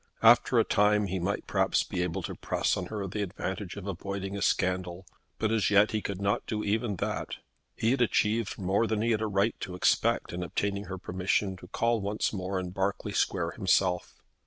After a time he might perhaps be able to press on her the advantage of avoiding a scandal, but as yet he could not do even that. He had achieved more than he had a right to expect in obtaining her permission to call once more in Berkeley Square himself.